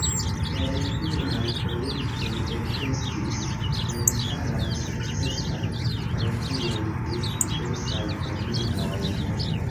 El pluraj projektoj ekestis memstaraj sukcesaj retejoj de diversaj komunumoj.